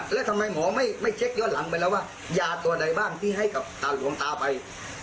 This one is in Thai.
แล้วทำไมหมอไม่เช็คย้อนหลังไปแล้วว่ายาตัวใดบ้างที่ให้กับตาหลวงตาไป